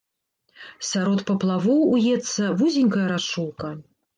Сярод паплавоў уецца вузенькая рачулка.